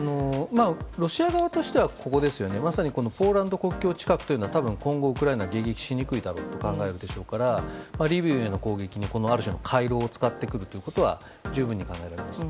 ロシア側としてはまさにポーランド国境近くは多分、今後ウクライナは迎撃しにくいだろうと考えるでしょうからリビウへの攻撃にある種の回路を使ってくることは十分に考えられます。